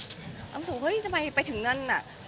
แล้วผมสมมติว่าเฮ้ยทำไมไปถึงนั่นน่ะ